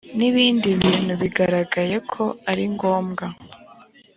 n ibindi bintu bigaragaye ko ari ngombwa